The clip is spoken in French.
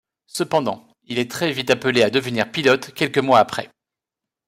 Cependant, il est très vite appelé à devenir pilote quelques mois après.